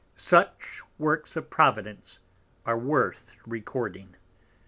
Such Works of Providence are worth recording.